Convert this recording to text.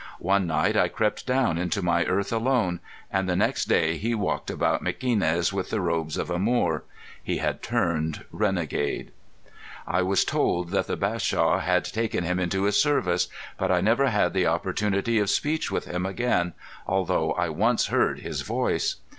One night I crept down into my earth alone, and the next day he walked about Mequinez with the robes of a Moor. He had turned renegade. "I was told that the Bashaw had taken him into his service, but I never had the opportunity of speech with him again, although I once heard his voice.